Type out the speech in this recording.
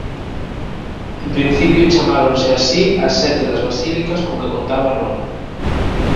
En principio chamáronse así a sete das basílicas con que contaba Roma.